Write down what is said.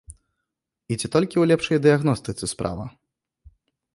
І ці толькі ў лепшай дыягностыцы справа?